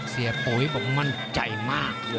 เสียโป๋ยบอกมันใจมาก